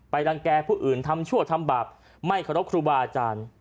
รังแก่ผู้อื่นทำชั่วทำบาปไม่เคารพครูบาอาจารย์